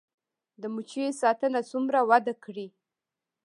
د مچیو ساتنه څومره وده کړې؟